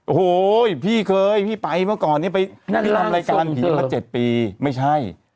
โอ้โหพี่เคยพี่ไปเมื่อก่อนนี้ไปทำรายการผีมา๗ปีไม่ใช่